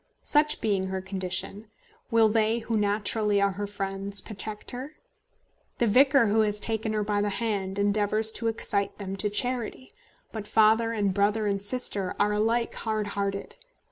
Such being her condition, will they who naturally are her friends protect her? The vicar who has taken her by the hand endeavours to excite them to charity; but father, and brother, and sister are alike hard hearted.